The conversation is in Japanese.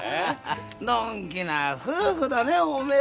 のんきな夫婦だねえ。